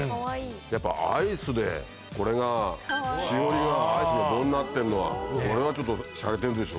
やっぱアイスでこれがしおりがアイスの棒になってるのはこれはちょっとしゃれてるでしょ